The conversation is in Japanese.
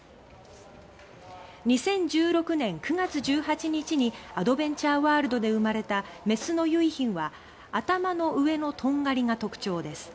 ２０１６年９月１８日にアドベンチャーワールドで生まれたメスの「結浜」は頭の上のとんがりが特徴です。